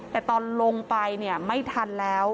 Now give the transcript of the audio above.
แต่ตอนลงไปเนี่ยไม่ทันแล้ว